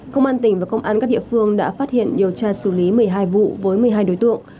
công an tỉnh và công an các địa phương đã phát hiện điều tra xử lý một mươi hai vụ với một mươi hai đối tượng